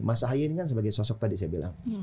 mas ahy ini kan sebagai sosok tadi saya bilang